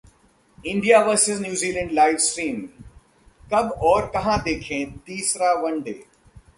India vs New Zealand Live Streaming: कब और कहां देखें तीसरा वनडे